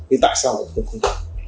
nhưng tại sao nó không có